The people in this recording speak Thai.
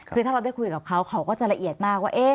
คือถ้าเราได้คุยกับเขาเขาก็จะละเอียดมากว่า